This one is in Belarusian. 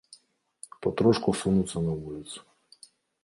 І патрошку сунуцца на вуліцу.